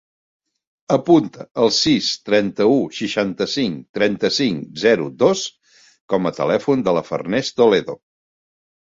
Apunta el sis, trenta-u, seixanta-cinc, trenta-cinc, zero, dos com a telèfon de la Farners Toledo.